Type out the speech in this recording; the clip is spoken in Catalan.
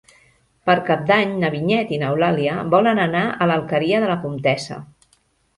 Per Cap d'Any na Vinyet i n'Eulàlia volen anar a l'Alqueria de la Comtessa.